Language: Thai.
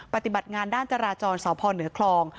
ปฏิบัติงานด้านจราจรสพเหนือคลอง